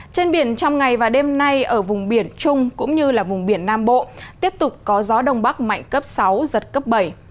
trên biển trong ngày và đêm nay ở vùng biển trung cũng như là vùng biển nam bộ tiếp tục có gió đông bắc mạnh cấp sáu giật cấp bảy